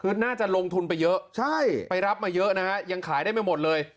คือน่าจะลงทุนไปเยอะใช่ไปรับมาเยอะนะฮะยังขายได้ไม่หมดเลย